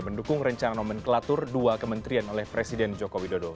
mendukung rencana nomenklatur dua kementerian oleh presiden joko widodo